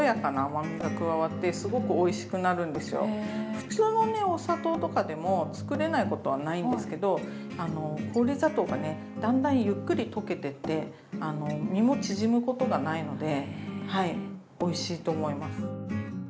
普通のねお砂糖とかでも作れないことはないんですけど氷砂糖がねだんだんゆっくり溶けてって実も縮むことがないのでおいしいと思います。